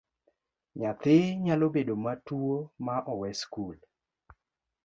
Nyathi nyalo bedo matuwo ma owe skul.